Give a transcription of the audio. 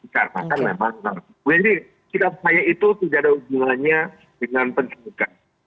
jadi sikap saya itu tidak ada hubungannya dengan penyelekan